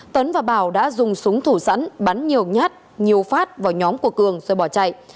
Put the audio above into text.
tấn và bảo đã dùng súng thủ sẵn bắn nhiều nhát nhiều phát vào nhóm của cường rồi bỏ chạy